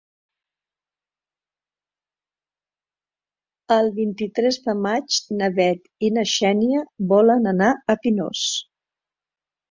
El vint-i-tres de maig na Bet i na Xènia volen anar a Pinós.